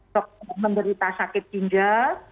dokter menderita sakit ginjal